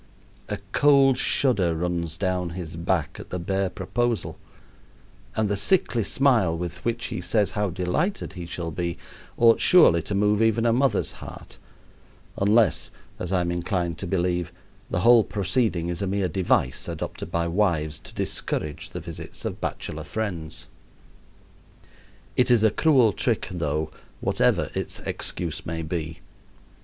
A cold shudder runs down his back at the bare proposal, and the sickly smile with which he says how delighted he shall be ought surely to move even a mother's heart, unless, as I am inclined to believe, the whole proceeding is a mere device adopted by wives to discourage the visits of bachelor friends. It is a cruel trick, though, whatever its excuse may be.